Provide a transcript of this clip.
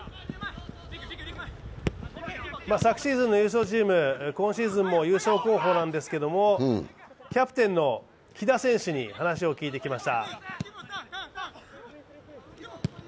昨シーズンの優勝チーム、今シーズンも優勝候補なんですけど、キャプテンの喜田選手に話を聞いてきました。